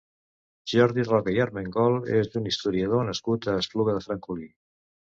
Jordi Roca i Armengol és un historiador nascut a l'Espluga de Francolí.